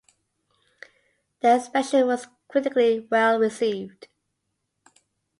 The expansion was critically well received.